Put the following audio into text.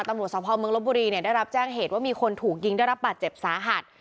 ตำรวจสภเมืองลบบุรีเนี่ยได้รับแจ้งเหตุว่ามีคนถูกยิงได้รับบาดเจ็บสาหัส